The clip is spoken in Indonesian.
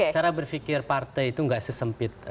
cara berpikir partai itu nggak sesempit